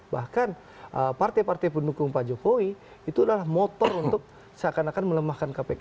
bahkan partai partai pendukung pak jokowi itu adalah motor untuk seakan akan melemahkan kpk